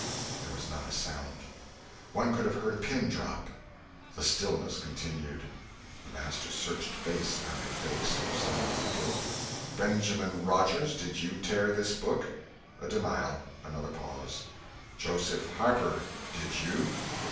There was not a sound. One could have heard a pin drop. The stillness continued; the master searched face after face for signs of guilt. "Benjamin Rogers, did you tear this book?" A denial. Another pause. "Joseph Harper, did you?"